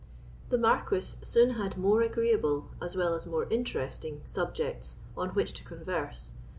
The Marquis soon had more agreeable, as well as more interesting, subjects on which to converse.